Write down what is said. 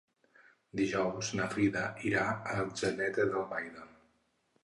Dijous na Frida irà a Atzeneta d'Albaida.